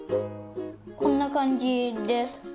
こんなかんじです。